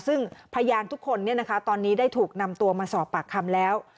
ซึ่งพยานทุกคนตอนนี้ได้ถูกนำตัวมาสอบปากคำแล้ว